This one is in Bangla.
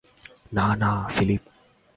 না, না, ফিলিপ।